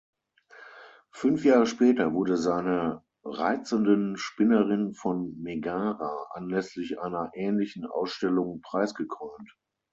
Fünf Jahre später wurde seine "Reizenden Spinnerin von Megara" anlässlich einer ähnlichen Ausstellung preisgekrönt.